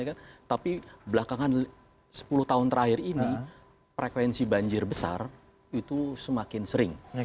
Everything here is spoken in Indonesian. jadi sepuluh tahun terakhir ini frekuensi banjir besar itu semakin sering